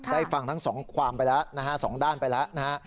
ได้ฟังทั้งสองความไปแล้วสองด้านไปแล้ว